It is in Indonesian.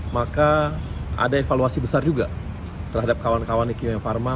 maka ada evaluasi besar juga terhadap kawan kawan di kio farma